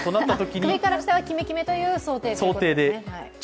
首から下はキメキメという想定ですね。